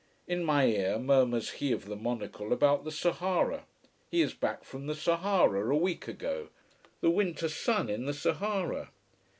In my ear murmurs he of the monocle about the Sahara he is back from the Sahara a week ago: the winter sun in the Sahara!